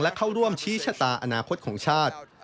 และเข้าร่วมชี้ชะตาอนาคตของชาติ